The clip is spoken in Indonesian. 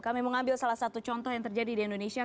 kami mengambil salah satu contoh yang terjadi di indonesia